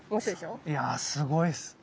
いやすごいっす。